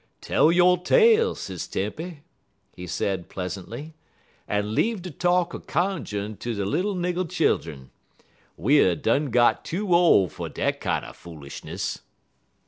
"Tell yo' tale, Sis Tempy," he said pleasantly, "en leave de talk er cunju'n ter de little nigger childun. We er done got too ole fer dat kinder foolishness."